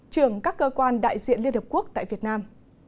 trưởng các cơ quan đại diện liên hợp quốc tại việt nam